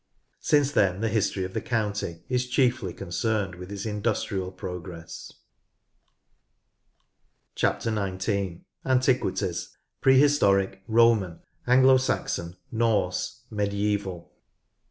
Since then the history of the county is chiefly con cerned with its industrial progress. 19. Antiquities — Prehistoric, Roman, Anglo=Saxon, Norse, Medieval.